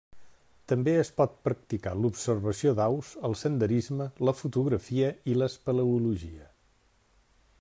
També es pot practicar l'observació d'aus, el senderisme, la fotografia i l'espeleologia.